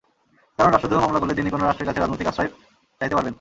কারণ রাষ্ট্রদ্রোহ মামলা করলে তিনি যেকোনো রাষ্ট্রের কাছে রাজনৈতিক আশ্রয় চাইতে পারবেন।